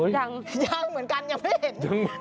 ยังยังเหมือนกันยังไม่เห็น